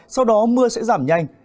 sau đó mưa sẽ giảm nhanh